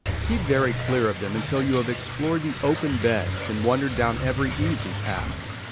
Keep very clear of them until you have explored the open beds and wandered down every easy path.